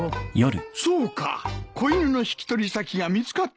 そうか子犬の引き取り先が見つかったか。